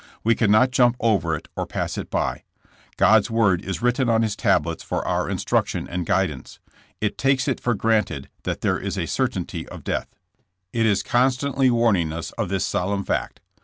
We cannot jump over it or pass it by. God^s word is written on His tablets for our instruction and guidance. It takes it for granted that there is a certainty of death. It is constantly warning us of this solemn fact.